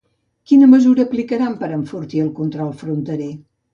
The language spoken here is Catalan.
Quina mesura aplicaran per enfortir el control fronterer?